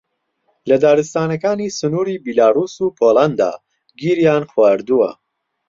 لە دارستانەکانی سنووری بیلاڕووس و پۆڵەندا گیریان خواردووە